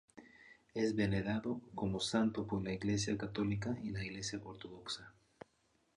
Es venerado como santo por la Iglesia católica y la Iglesia ortodoxa.